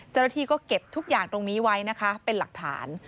เจ้าหน้าที่ก็เก็บทุกอย่างตรงนี้ไว้นะคะเป็นหลักฐาน